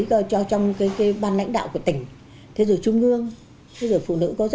với chủ trương chính sách phù hợp